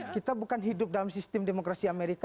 kita bukan hidup dalam sistem demokrasi amerika